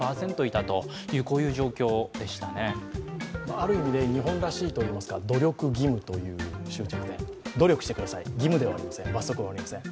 ある意味で日本らしいといいますか、努力義務という終着点、努力してください、義務ではありません罰則はありません。